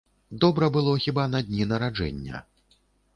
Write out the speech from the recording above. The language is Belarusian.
Добра было хіба на дні нараджэння.